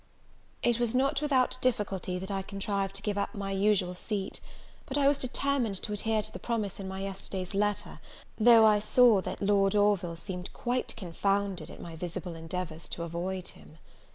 It was not without difficulty that I contrived to give up my usual seat; but I was determined to adhere to the promise in my yesterday's letter, though I saw that Lord Orville seemed quite confounded at my visible endeavours to avoid him.